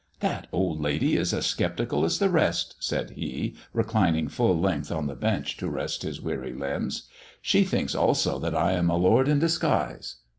"That old lady is as sceptical as the rest," said he, reclining full length on the bench to rest his weary limbs. " She thinks also that I am a lord in disguise.